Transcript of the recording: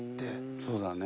そうだね。